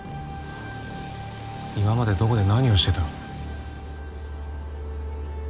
今までどこで何をしてた？